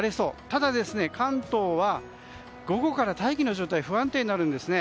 ただ関東は午後から大気の状態不安定になるんですね。